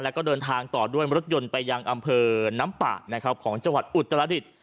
แล้วก็เดินทางต่อด้วยรถยนต์ไปยังอำเภอน้ำป่านะครับของจังหวัดอุตรดิษฐ์